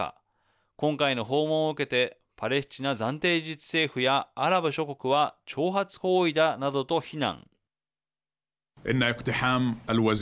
今回の訪問を受けてパレスチナ暫定自治政府やアラブ諸国は挑発行為だなどと非難。